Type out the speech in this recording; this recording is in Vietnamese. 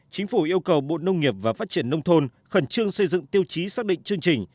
chính phủ yêu cầu bộ nông nghiệp và phát triển nông thôn khẩn trương xây dựng tiêu chí xác định chương trình